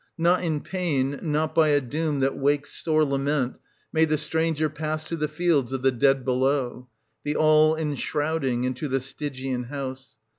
Not in pain, not by a doom that wakes sore lament, may the stranger pass to the fields of the dead below, the all enshrouding, and to the Stygian house.